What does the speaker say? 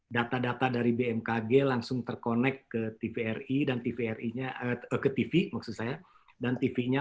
data data dari bmkg langsung terkonek ke tvri dan tvri nya ke tv maksud saya dan tv nya